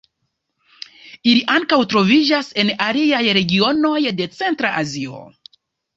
Ili ankaŭ troviĝas en aliaj regionoj de Centra Azio.